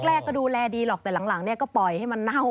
แรกก็ดูแลดีหรอกแต่หลังเนี่ยก็ปล่อยให้มันเน่า